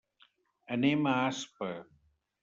Anem a Aspa.